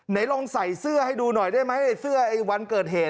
ไหนลองใส่เสื้อให้ดูหน่อยได้ไหมไอ้เสื้อไอ้วันเกิดเหตุ